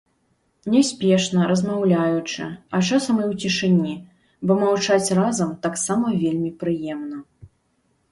Няспешна, размаўляючы, а часам і ў цішыні, бо маўчаць разам таксама вельмі прыемна.